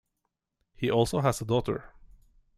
He also has a daughter.